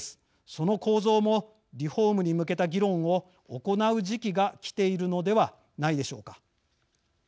その構造もリフォームに向けた議論を行う時期がきているのではないでしょうか。